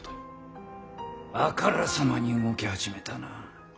あからさまに動き始めたな。